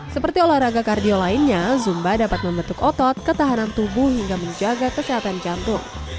seperti olahraga kardio lainnya zumba dapat membentuk otot ketahanan tubuh hingga menjaga kesehatan jantung